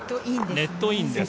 ネットインです。